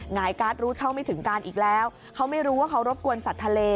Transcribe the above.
ายการ์ดรู้เท่าไม่ถึงการอีกแล้วเขาไม่รู้ว่าเขารบกวนสัตว์ทะเล